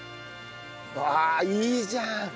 あいいじゃん。